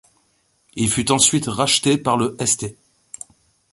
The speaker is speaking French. Il fut ensuite racheté par le St.